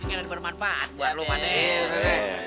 tapi gak ada yang bermanfaat buat lo pak be